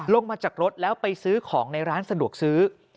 ลงมาจากรถแล้วไปซื้อของในร้านสะดวกซื้อ